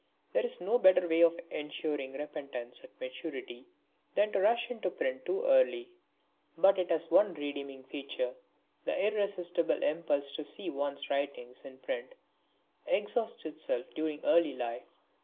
There is no better way of ensuring repentance at maturity than to rush into print too early. But it has one redeeming feature: the irresistible impulse to see one's writings in print exhausts itself during early life.